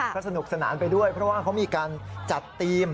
ก็สนุกสนานไปด้วยเพราะว่าเขามีการจัดทีม